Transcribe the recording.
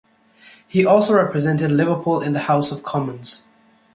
He also represented Liverpool in the House of Commons.